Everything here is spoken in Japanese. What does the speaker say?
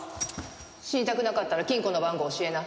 死にたくなかったら金庫の番号教えな。